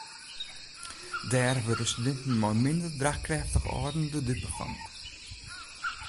Dêr wurde studinten mei minder draachkrêftige âlden de dupe fan.